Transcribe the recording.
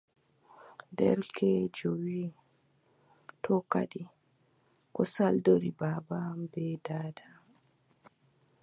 Derkeejo wiʼi: to kadi, ko saldori baaba am bee daada am,